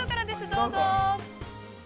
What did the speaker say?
どうぞ。